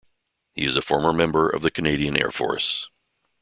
He is a former member of the Canadian Air Force.